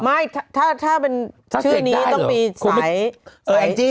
ไม่ถ้าชื่อนี้ต้องมีสาย